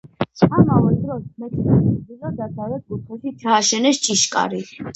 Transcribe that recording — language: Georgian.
ამავე დროს მეჩეთის ჩრდილო-დასავლეთ კუთხეში ჩააშენეს ჭიშკარი.